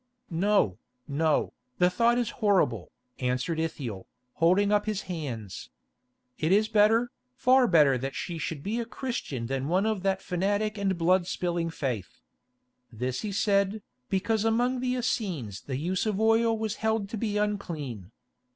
"No, no, the thought is horrible," answered Ithiel, holding up his hands. "It is better, far better that she should be a Christian than one of that fanatic and blood spilling faith." This he said, because among the Essenes the use of oil was held to be unclean.